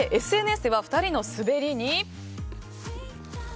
ＳＮＳでは２人の滑りに。